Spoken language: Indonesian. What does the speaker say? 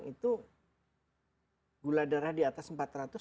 itu gula darah di atas empat ratus